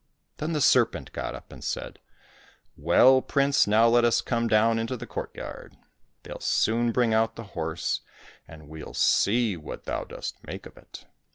Then the serpent got upland said, " Well, prince, now let us come down into the courtyard ; they'll soon bring out the horse, and we'll see what thou dost make of it."